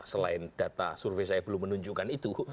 selain data survei saya belum menunjukkan itu